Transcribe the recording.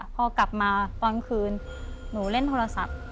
พอกลับมาตอนคืนหนูเล่นโทรศัพท์